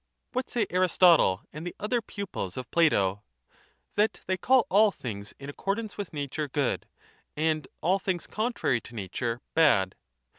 What say Aristotle and the other pupils of Plato? That they call all things in accordance with nature good and all things contrary to nature bad.